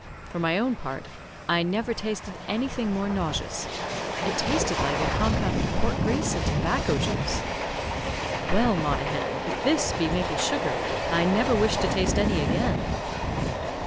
For my own part, I never tasted anything more nauseous. It tasted like a compound of pork grease and tobacco juice. "Well, Monaghan, if this be maple sugar, I never wish to taste any again."